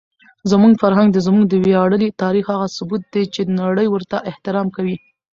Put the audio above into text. زموږ فرهنګ زموږ د ویاړلي تاریخ هغه ثبوت دی چې نړۍ ورته احترام کوي.